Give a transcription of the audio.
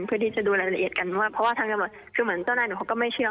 เพื่อที่จะดูรายละเอียดกันว่าเพราะว่าทางตำรวจคือเหมือนเจ้านายหนูเขาก็ไม่เชื่อ